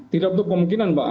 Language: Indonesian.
tidak untuk kemungkinan pak